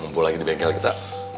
ngumpul lagi di bengkel kita